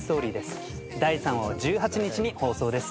第３話は１８日に放送です。